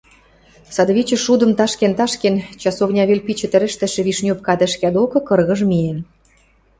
садвичӹ шудым ташкен-ташкен, часовня вел пичӹ тӹрӹштӹшӹ вишнёпка тӹшкӓ докы кыргыж миэн